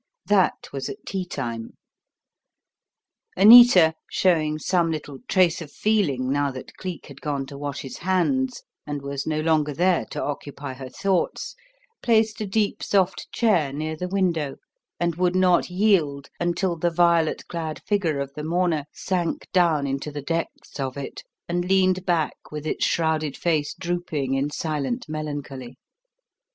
That was at tea time. Anita, showing some little trace of feeling now that Cleek had gone to wash his hands and was no longer there to occupy her thoughts, placed a deep, soft chair near the window, and would not yield until the violet clad figure of the mourner sank down into the depths of it and leaned back with its shrouded face drooping in silent melancholy.